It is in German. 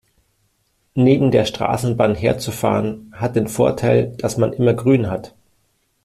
Neben der Straßenbahn herzufahren, hat den Vorteil, dass man immer grün hat.